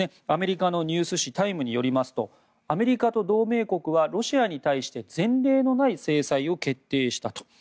アメリカのニュース紙タイムによりますとアメリカと同盟国はロシアに対して前例のない制裁を決定したと。